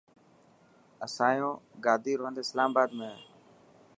اسايو گادي رو هند اسلام آباد ۾ هي .